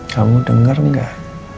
kamu denger gak